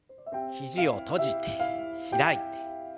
肘を閉じて開いて。